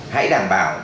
hãy đảm bảo